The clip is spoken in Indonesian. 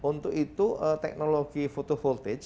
untuk itu teknologi photo voltage